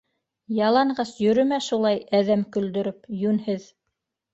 Яланғас йөрөмә шулай әҙәм көлдөрөп, йүнһеҙ!